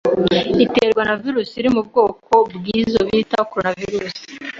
Iterwa na Virus iri mu bwoko bw'izo bita coronavirus